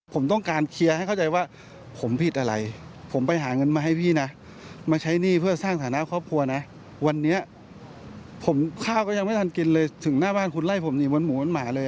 ผมต้องการเคลียร์ให้เข้าใจว่าผมผิดอะไรผมไปหาเงินมาให้พี่นะมาใช้หนี้เพื่อสร้างฐานะครอบครัวนะวันนี้ผมข้าวก็ยังไม่ทันกินเลยถึงหน้าบ้านคุณไล่ผมหนีบนหมูบนหมาเลย